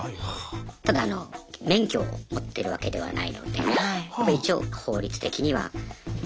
ただあの免許を持ってるわけではないので一応法律的にはアウト。